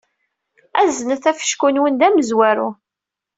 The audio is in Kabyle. Aznet afecku-nwen d amezwaru.